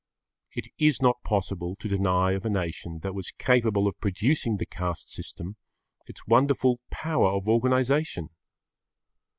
It is not possible to deny of a nation that was capable of producing the caste system its wonderful power of organisation.